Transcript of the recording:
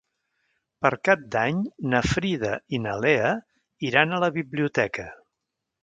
Per Cap d'Any na Frida i na Lea iran a la biblioteca.